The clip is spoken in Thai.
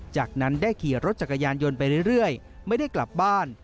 จากนั้นได้ขี่รถจักรยานยนต์ไปเรื่อยไม่ได้กลับบ้าน